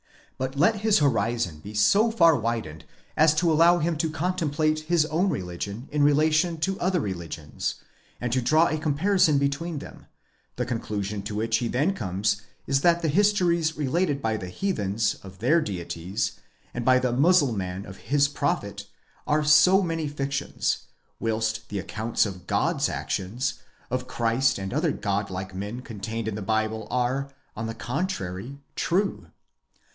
But, let his horizon be so far widened as to allow him to contemplate his own religion in relation to other religions, and to draw a comparison between them, the con clusion to which he then comes is that the histories related by the heathens of their deities, and by the Mussulman of his prophet, are so many fictions, whilst the accounts of God's actions, of Christ and other Godlike men con tained in the Bible are, on the contrary, true.